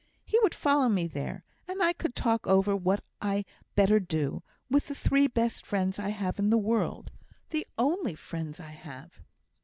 He would follow me there; and I could talk over what I had better do, with the three best friends I have in the world the only friends I have."